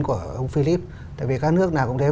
của ông phi lức tại vì các nước nào cũng